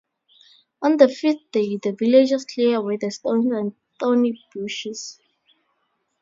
On the fifth day the villagers clear away the stones and thorny bushes.